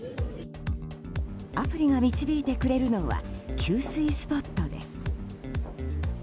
アプリが導いてくれるのは給水スポットです。